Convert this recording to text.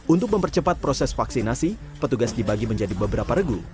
untuk mempercepat proses vaksinasi petugas dibagi menjadi beberapa regu